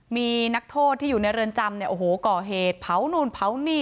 มีนักโทษที่อยู่ในเรือนจำเนี่ยโอ้โหก่อเหตุเผานู่นเผานี่